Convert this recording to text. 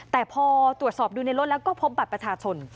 แต่พอตรวจสอบดูในรถแล้วก็พบบัตรประชาชน